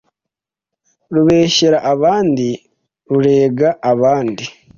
rubeshyera abandi, rurega abandi